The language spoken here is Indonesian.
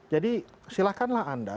jadi silakanlah anda